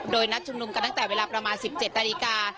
โดยนัดชุมนุมกันตั้งแต่เวลาประมาณ๑๗นาฬิกา